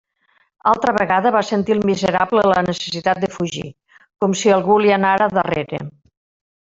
Altra vegada va sentir el miserable la necessitat de fugir, com si algú li anara darrere.